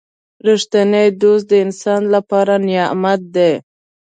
• رښتینی دوست د انسان لپاره نعمت دی.